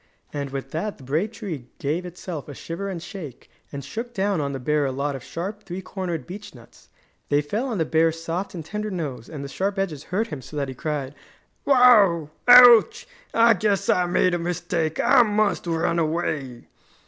And with that the brave tree gave itself a shiver and shake, and shook down on the bear a lot of sharp, three cornered beech nuts. They fell on the bear's soft and tender nose and the sharp edges hurt him so that he cried: "Wow! Ouch! I guess I made a mistake! I must run away!"